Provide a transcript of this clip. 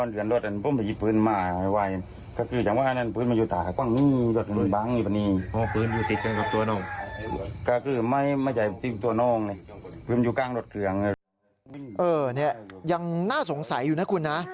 นี่ยังน่าสงสัยอยู่นะคุณนะ